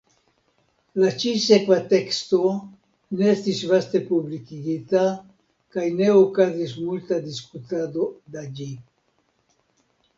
La ĉi-sekva teksto ne estis vaste publikigita kaj ne okazis multa diskutado de ĝi.